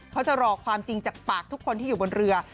เขาจะรอความจริงจากปากทุกคนที่อยู่บนเรือ